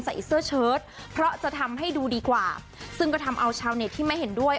ใส่เสื้อเชิดเพราะจะทำให้ดูดีกว่าซึ่งก็ทำเอาชาวเน็ตที่ไม่เห็นด้วย